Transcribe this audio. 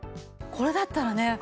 これだったらね